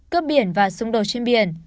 cấp biển và xung đột trên biển